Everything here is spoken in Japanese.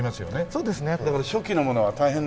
そうですね。